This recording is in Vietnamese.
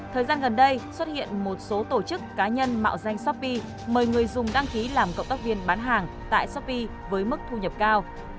thời gian gần đây xuất hiện một số tổ chức cá nhân mạo danh shopee mời người dùng đăng ký làm cộng tác viên bán hàng tại shopee với mức thu nhập cao